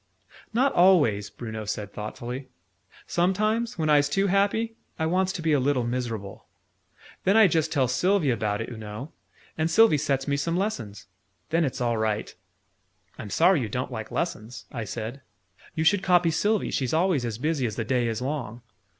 "Not always," Bruno said thoughtfully. "Sometimes, when I's too happy, I wants to be a little miserable. Then I just tell Sylvie about it, oo know, and Sylvie sets me some lessons. Then it's all right." "I'm sorry you don't like lessons," I said. "You should copy Sylvie. She's always as busy as the day is long!"